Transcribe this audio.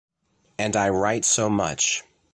And I write so much.